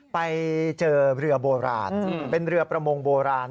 ไปเจอเรือโบราณเป็นเรือประมงโบราณ